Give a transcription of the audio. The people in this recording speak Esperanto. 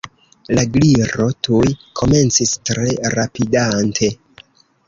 La Gliro tuj komencis, tre rapidante.